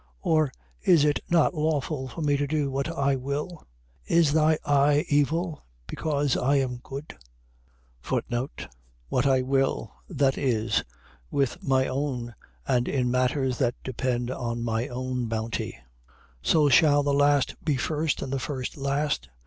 20:15. Or, is it not lawful for me to do what I will? Is thy eye evil, because I am good? What I will. . .Viz., with my own, and in matters that depend on my own bounty. 20:16. So shall the last be first and the first last.